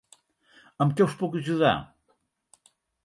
Amb què us puc ajudar?